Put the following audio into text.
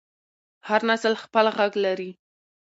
هر نسل خپل غږ لري